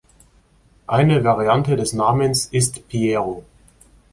Eine Variante des Namens ist Piero.